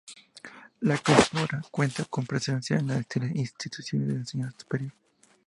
La Cámpora cuenta con presencia en las instituciones de enseñanza superior.